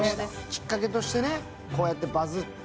きっかけとして、こうやってバズって。